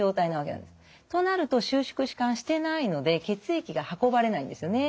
となると収縮弛緩してないので血液が運ばれないんですよね。